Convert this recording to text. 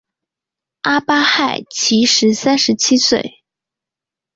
阿巴亥其时三十七岁。